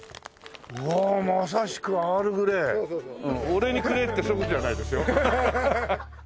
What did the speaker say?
俺にくれいってそういう事じゃないですよ。